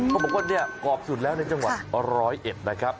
เขาบอกว่าเนี่ยกรอบสุดแล้วในจังหวัดร้อยเอ็ดนะครับ